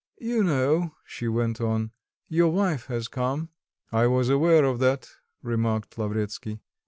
"You know," she went on, "your wife has come." "I was aware of that," remarked Lavretsky.